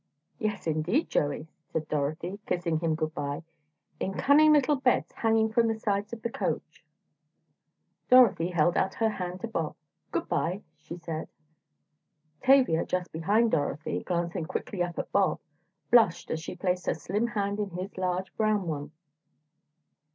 "Yes, indeed, Joey," said Dorothy, kissing him good bye, "in cunning little beds, hanging from the sides of the coach." Dorothy held out her hand to Bob. "Good bye," she said. Tavia, just behind Dorothy, glancing quickly up at Bob, blushed as she placed her slim hand in his large brown one.